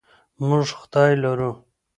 موږ خدای لرو.